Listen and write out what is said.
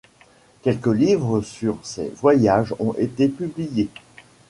Quelques livres sur ces voyages ont été publiés.